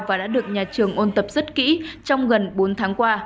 và đã được nhà trường ôn tập rất kỹ trong gần bốn tháng qua